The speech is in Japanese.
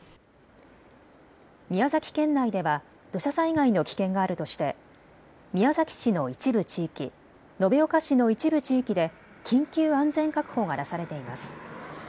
宮崎県内では土砂災害の危険があるとして宮崎市の一部地域、延岡市の一部地域で緊急安全確保が出されています。